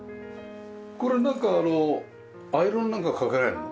これなんかあのアイロンなんかかけられるの？